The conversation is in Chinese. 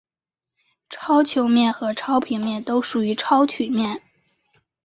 超球面和超平面都属于超曲面。